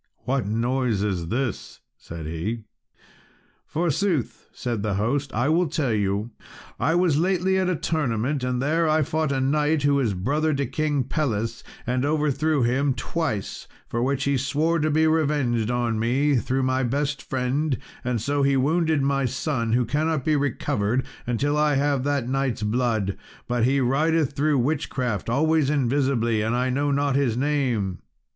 "What noise is this?" said he. "Forsooth," said the host, "I will tell you. I was lately at a tournament, and there I fought a knight who is brother to King Pelles, and overthrew him twice, for which he swore to be revenged on me through my best friend, and so he wounded my son, who cannot be recovered till I have that knight's blood, but he rideth through witchcraft always invisibly, and I know not his name."